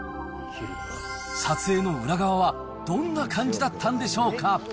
撮影の裏側はどんな感じだったんでしょうか。